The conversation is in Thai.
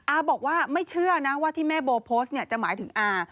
อาบอกว่าไม่เชื่อนะว่าที่แม่โบโพสต์เนี่ยจะหมายถึงอา